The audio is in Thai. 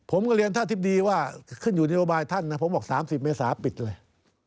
ผมก็เรียนท่านอธิบดีว่าขึ้นอยู่นโยบายท่านนะผมบอก๓๐เมษาปิดเลย